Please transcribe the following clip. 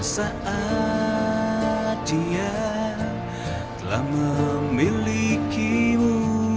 saat dia telah memilikimu